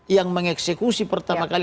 yang mengeksekusi pertama kali